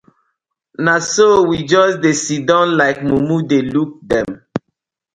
Na so we just dey siddon like mumu dey look dem.